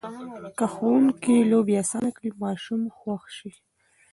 که ښوونکي لوبې اسانه کړي، ماشوم خوښ شي.